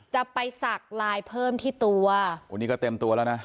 จะไปสักลายเพิ่มที่ตัวโอ้นี่ก็เต็มตัวแล้วนะ